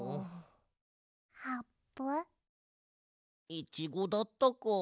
イチゴだったかあ。